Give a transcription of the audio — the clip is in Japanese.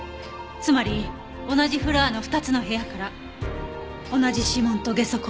つまり同じフロアの２つの部屋から同じ指紋とゲソ痕が出た。